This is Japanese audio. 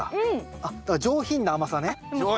あっだから上品な甘さね。